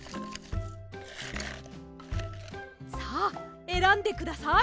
さあえらんでください。